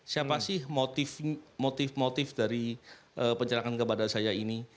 siapa sih motif motif dari pencerahan kepada saya ini